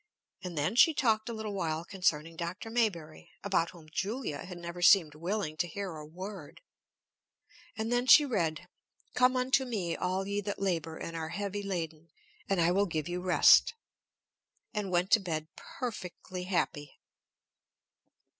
And then she talked a little while concerning Dr. Maybury, about whom Julia had never seemed willing to hear a word; and then she read, "Come unto me, all ye that labor and are heavy laden, and I will give you rest," and went to bed perfectly happy.